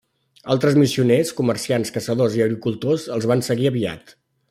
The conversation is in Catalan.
Altres missioners, comerciants, caçadors i agricultors els van seguir aviat.